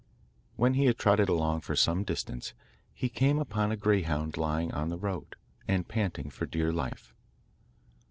When he had trotted along for some distance he came upon a greyhound lying on the road, and panting for dear life.